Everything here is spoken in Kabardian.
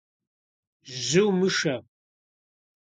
Жьы умышэ!